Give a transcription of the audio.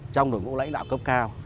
trong đội ngũ lãnh đạo cấp cao